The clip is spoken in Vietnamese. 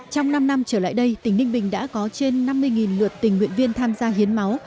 trong năm năm trở lại đây tỉnh ninh bình đã có trên năm mươi lượt tình nguyện viên tham gia hiến máu